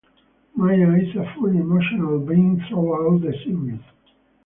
Maya is a fully emotional being throughout the series.